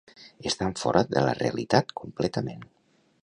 Estan fora de la realitat completament.